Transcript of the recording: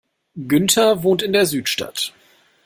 Günther wohnt in der Südstadt.